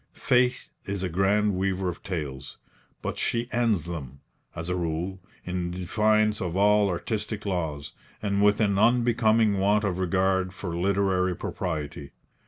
Fate is a grand weaver of tales; but she ends them, as a rule, in defiance of all artistic laws, and with an unbecoming want of regard for literary propriety.